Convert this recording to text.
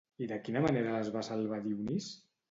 I de quina manera les va salvar Dionís?